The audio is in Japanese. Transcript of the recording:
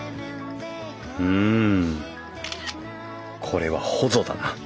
これはほぞだな。